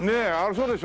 そうでしょ？